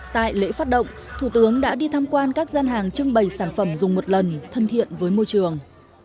tại lễ phát động thủ tướng đã đi tham quan các gian hàng trưng bày sản phẩm dùng một lần thân thiện với môi trường